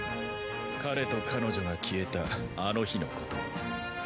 彼と彼女が消えたあの日のことを。